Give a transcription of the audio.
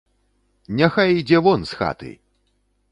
Няхай ідзе вон з хаты!